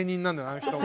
あの人が。